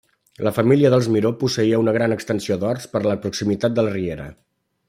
La família dels Miró posseïa una gran extensió d'horts per les proximitats de la riera.